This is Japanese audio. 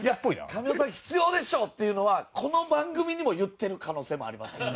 神尾さんの「必要でしょ！」っていうのはこの番組にも言ってる可能性もありますよね。